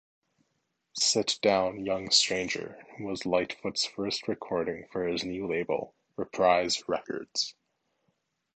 "Sit Down Young Stranger" was Lightfoot's first recording for his new label, Reprise Records.